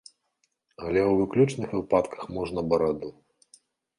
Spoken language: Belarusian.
Але ў выключных выпадках можна бараду.